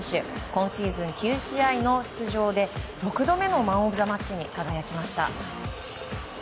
今シーズン９試合の出場で６度目のマン・オブ・ザ・マッチに輝きました。